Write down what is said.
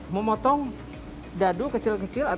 memotong dadu kecil kecil atau semuanya